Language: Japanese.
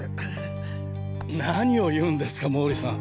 何を言うんですか毛利さん。